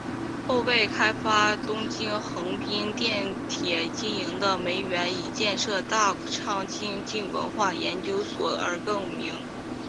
后为了开发东京横滨电铁经营的梅园与建设大仓精神文化研究所而更名。